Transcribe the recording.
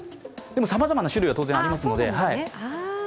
でもさまざまな種類は当然ありますので。